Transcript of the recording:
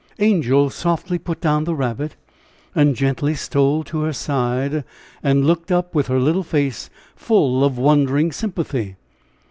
Angel softly put down the rabbit and gently stole to her side and looked up with her little face full of wondering sympathy.